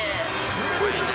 すごいね。